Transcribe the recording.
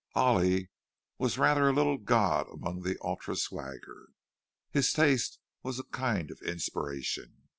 "Ollie" was rather a little god among the ultra swagger; his taste was a kind of inspiration.